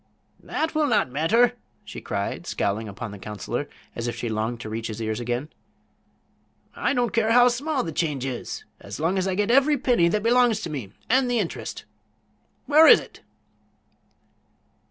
"That will not matter," she said, scowling upon the counselor as if she longed to reach his ears again; "I don't care how small the change is so long as I get every penny that belongs to me, and the interest. Where is it?"